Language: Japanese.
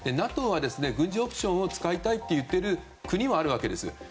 ＮＡＴＯは軍事オプションを使いたいといっている国はあるわけです。